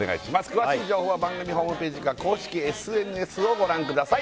詳しい情報は番組ホームページか公式ＳＮＳをご覧ください